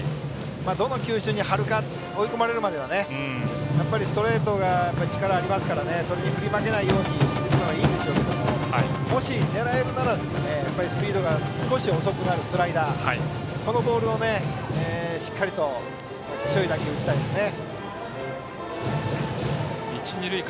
どの球種に張るか追い込まれるまではストレートに力がありますからそれに振り負けないように打つのがいいでしょうが狙えるならスピードが少し遅くなるスライダーこのボールで、しっかりと強い打球を打ちたいですね。